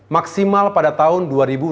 maksimal pada tahun dua ribu enam belas